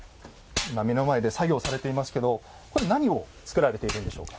今目の前で作業されていますけどこれ何を作られているんでしょうか？